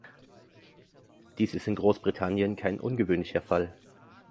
Dies ist in Großbritannien kein ungewöhnlicher Fall.